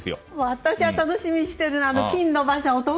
私が楽しみにしているのは金の馬車です。